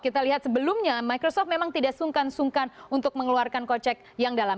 kita lihat sebelumnya microsoft memang tidak sungkan sungkan untuk mengeluarkan kocek yang dalam